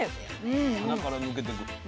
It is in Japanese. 鼻から抜けてく。